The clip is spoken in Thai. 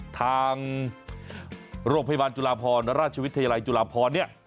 ทางโรงพยาบาลจุฬาพรราชวิทยาลัยจุฬาพรเนี่ย